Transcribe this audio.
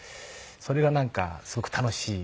それがなんかすごく楽しい。